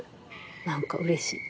なんか、うれしい。